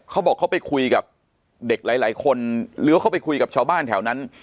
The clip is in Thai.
เขาบอกเขาไปคุยกับเด็กหลายคนเลี้ยวเข้าไปคุยกับชาวบ้านแถวนั้น